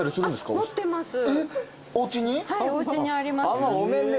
はいおうちにあります。